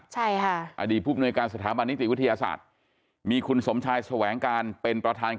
ใช่ค่ะอดีตผู้บนวยการสถาบันนิติวิทยาศาสตร์